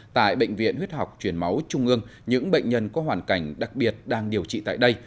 tại bệnh viện huyết học truyền máu trung ương những bệnh nhân có hoàn cảnh đặc biệt đang điều trị tại đây